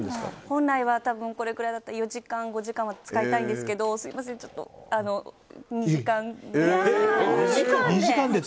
本来はこれくらいだと４時間、５時間は使いたいんですけどすみません、２時間で。